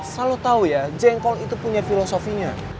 salah lo tau ya jengkol itu punya filosofinya